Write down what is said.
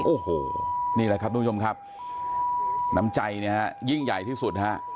โอ้โหนี่แหละครับทุกชมครับน้ำใจยิ่งใหญ่ที่สุด